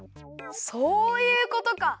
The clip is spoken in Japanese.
そういうことか！